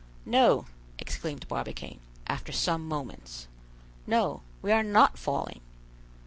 "No," exclaimed Barbicane, after some moments, "no, we are not falling!